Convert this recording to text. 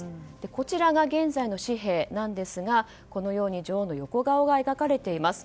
こちらが現在の紙幣なんですがこのように女王の横顔が描かれています。